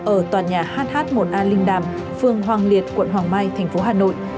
các đối tượng gây ra vụ cướp tại căn hộ ở toàn nhà hh một a linh đàm phường hoàng liệt quận hoàng mai thành phố hà nội